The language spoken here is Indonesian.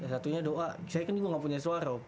satunya doa saya kan juga nggak punya suara